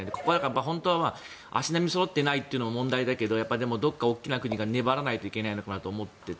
本当は足並みがそろってないのも問題だけどでもどこか大きな国が粘らないといけないのかなと思っていて。